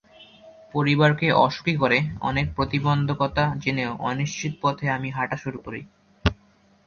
পরিবারকে অসুখী করে, অনেক প্রতিবন্ধকতা জেনেও অনিশ্চিত পথে আমি হাঁটা শুরু করি।